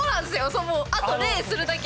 そうあと礼するだけ！